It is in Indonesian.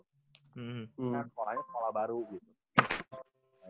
sekolahnya sekolah baru gitu